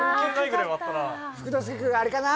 福之助君あれかな？